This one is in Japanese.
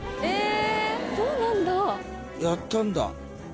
やったんだ。